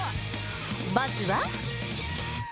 まずは。